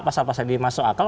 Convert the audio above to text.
pasal pasal ini masuk akal